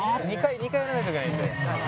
「２回やらないといけないんで」